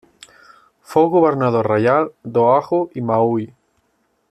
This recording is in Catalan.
Fou governador reial d'Oahu i Maui.